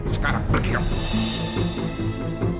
sekarang pergi kamu